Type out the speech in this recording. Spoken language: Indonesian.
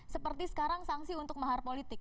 seperti sekarang sanksi untuk mahar politik